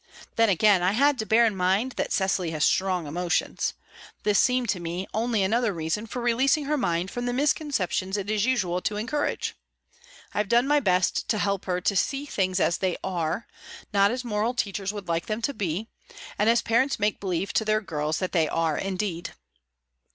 Then again, I had to bear in mind that Cecily has strong emotions. This seemed to me only another reason for releasing her mind from the misconceptions it is usual to encourage. I have done my best to help her to see things as they are, not as moral teachers would like them to be, and as parents make believe to their girls that they are indeed."